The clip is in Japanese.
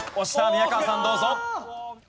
宮川さんどうぞ。